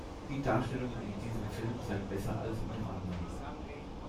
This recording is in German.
Die Darstellungen in diesem Film seien besser als in dem anderen.